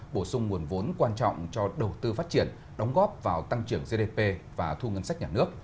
bổ sung nguồn vốn quan trọng cho đầu tư phát triển đóng góp vào tăng trưởng gdp và thu ngân sách nhà nước